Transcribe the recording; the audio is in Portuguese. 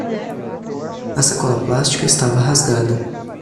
A sacola plástica estava rasgada.